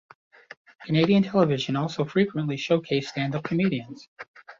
Canadian television also frequently showcases stand-up comedians.